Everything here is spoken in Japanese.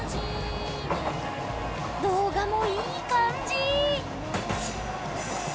動画もいい感じ！